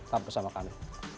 sampai bersama kami